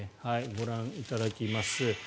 ご覧いただきます。